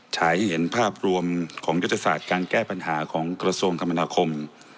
ฉายให้เห็นภาพรวมของยุทธศาสตร์การแก้ปัญหาของกระทรวงคมนาคม